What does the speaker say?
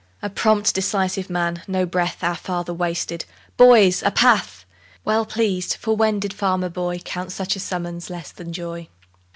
A prompt, decisive man, no breath Our father wasted: "Boys, a path!" Well pleased, (for when did farmer boy Count such a summons less than joy?)